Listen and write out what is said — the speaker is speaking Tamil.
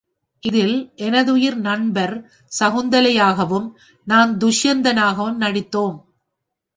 இதில் எனதுயிர் நண்பர் சகுந்தலை யாகவும், நான் துஷ்யந்தனாகவும் நடித்தோம்.